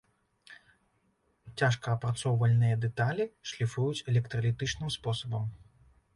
Цяжкаапрацоўвальныя дэталі шліфуюць электралітычным спосабам.